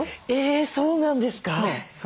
えそうなんですか？